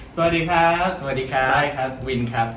สวัสดีครับสวัสดีครับสวัสดีครับวินครับ